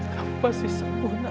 kamu pasti sempurna